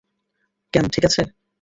ক্যাম, ঠিক আছে?